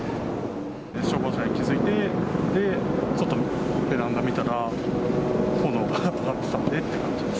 消防車に気付いて、外、ベランダ見たら、炎が上がってたんでって感じです。